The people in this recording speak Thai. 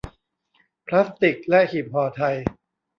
พลาสติค และหีบห่อไทย